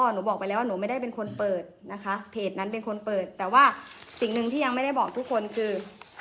หนูบอกไปแล้วว่าหนูไม่ได้เป็นคนเปิดนะคะเพจนั้นเป็นคนเปิดแต่ว่าสิ่งหนึ่งที่ยังไม่ได้บอกทุกคนคือ